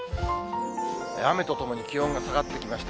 雨とともに気温が下がってきました。